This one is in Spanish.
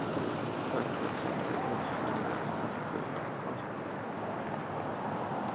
La situación de los federales tampoco era la mejor.